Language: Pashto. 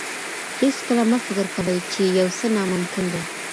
هیڅکله مه فکر کوئ چې یو څه ناممکن دي.